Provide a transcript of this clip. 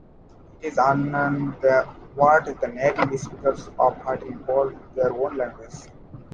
It is unknown what the native speakers of "hattili" called their own language.